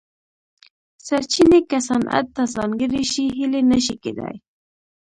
سرچینې که صنعت ته ځانګړې شي هیلې نه شي کېدای.